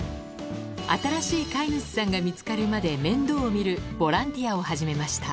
新しい飼い主さんが見つかるまで面倒を見るボランティアを始めました